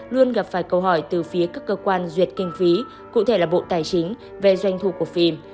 luôn gặp phải câu hỏi từ phía các cơ quan duyệt kinh phí cụ thể là bộ tài chính về doanh thu của phim